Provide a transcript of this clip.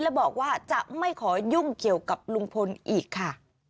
และบอกว่าจะไม่ขอยุ่งเกี่ยวกับลุงพลอีกค่ะ